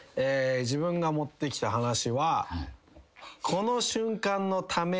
自分が持ってきた話は。